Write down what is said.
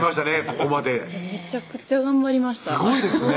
ここまでめちゃくちゃ頑張りましたすごいですね